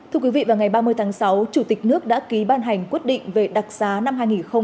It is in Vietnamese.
thưa quý vị vào ngày ba mươi tháng sáu chủ tịch nước đã ký ban hành quyết định về đặc giá năm hai nghìn hai mươi